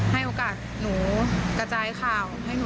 ให้โอกาสหนูกระจายข่าว